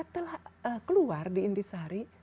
nah setelah keluar di intisari